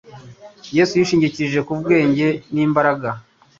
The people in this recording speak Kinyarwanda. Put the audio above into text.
Yesu yishingikirije ku bwenge n’imbaraga